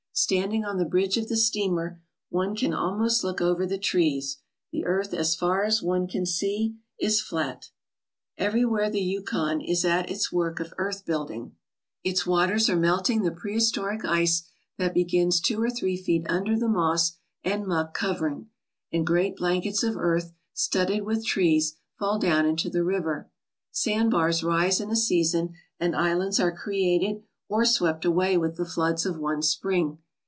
Standing on the bridge of the steamer, one can almost look over the trees. The earth as far as one can see is flat. Everywhere the Yukon is at its work of earth building. Its waters are melting the prehistoric ice that begins two or three feet under the moss and muck covering; and great blankets of earth, studded with trees, fall down into the river. Sandbars rise in a season, and islands are created or swept away with the floods of one spring.